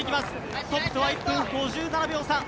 トップとは１分５７秒差。